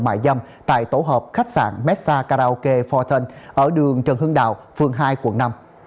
mại dâm tại tổ hợp khách sạn messa karaoke forten ở đường trần hưng đạo phường hai quận năm